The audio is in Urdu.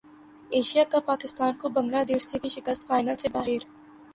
ایشیا کپ پاکستان کو بنگلہ دیش سے بھی شکست فائنل سے باہر